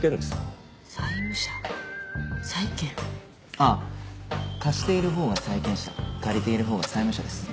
ああ貸しているほうが債権者借りているほうが債務者です。